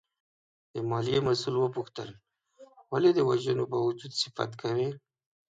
د مالیې مسوول وپوښتل ولې د وژنو باوجود صفت کوې؟